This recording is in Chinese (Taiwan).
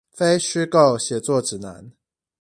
非虛構寫作指南